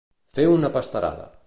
Fer una pasterada.